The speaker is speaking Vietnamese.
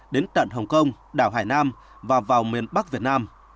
đến tận hồng kông đảo hải nam và vào miền bắc việt nam